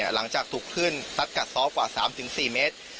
หลังจากถูกขึ้นสัตว์กัดซ้อลกว่า๓๔เมตร